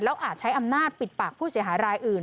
อาจใช้อำนาจปิดปากผู้เสียหายรายอื่น